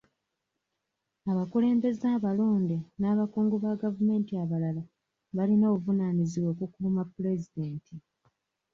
Abakulembeze abalonde n'abakungu ba gavumenti abalala balina obuvunaanyizibwa okukuuma pulezidenti.